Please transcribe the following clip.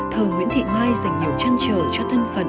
thờ nguyễn thị mai dành nhiều trăn trở cho thân phần